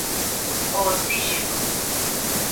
O osíxeno.